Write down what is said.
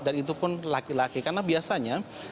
dan itu pun laki laki karena biasanya